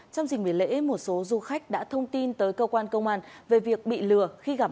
trong dịp biểu lễ một số du khách đã thông tin tới cơ quan công an về việc bị lừa khi gặp